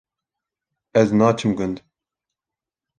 Ez naçim gund